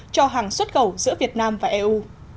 cho hàng xuất khẩu giữa việt nam và eu